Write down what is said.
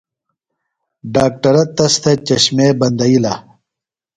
ڈاکٹرہ تس تھےۡ چشمے بندئِلہ۔